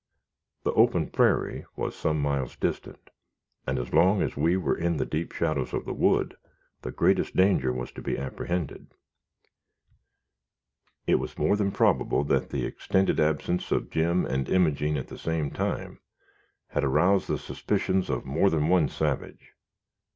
The open prairie was some miles distant, and as long as we were in the deep shadows of the wood, the greatest danger was to be apprehended. It was more than probable that the extended absence of Jim and Imogene, at the same time, had aroused the suspicions of more than one savage.